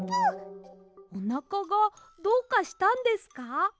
おなかがどうかしたんですか？